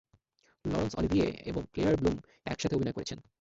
লরন্স Olivier এবং Claire Bloom একসাথে অভিনয় করেছেন।